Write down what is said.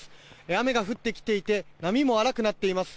雨が降ってきていて波も荒くなっています。